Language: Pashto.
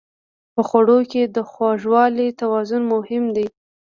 په خوړو کې د خوږوالي توازن مهم دی.